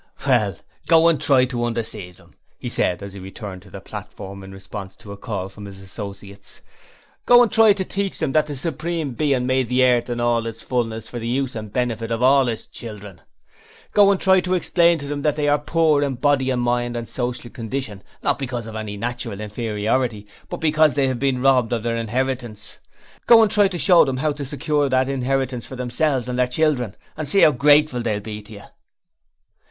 'Well, go and try to undeceive them,' he said, as he returned to the platform in response to a call from his associates. 'Go and try to teach them that the Supreme Being made the earth and all its fullness for the use and benefit of all His children. Go and try to explain to them that they are poor in body and mind and social condition, not because of any natural inferiority, but because they have been robbed of their inheritance. Go and try to show them how to secure that inheritance for themselves and their children and see how grateful they'll be to you.'